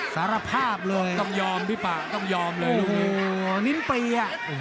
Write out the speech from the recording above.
สารภาพเลยต้องยอมพี่ป่านิ้มเปรี้ย